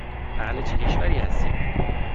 اهل چه کشوری هستی؟